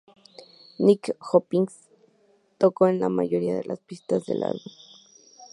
Nicky Hopkins tocó en la mayoría de las pistas del álbum.